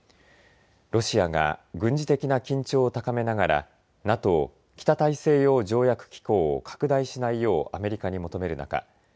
ロシアが軍事的な緊張を高めながらＮＡＴＯ、北大西洋条約機構を拡大しないようアメリカに求める中